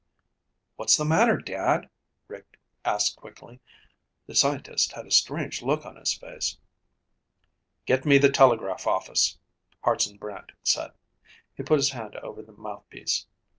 "What's the matter, Dad?" Rick asked quickly. The scientist had a strange look on his face. "Give me the telegraph office," Hartson Brant said. He put his hand over the mouthpiece.